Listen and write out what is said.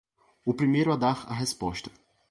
O primeiro a dar a resposta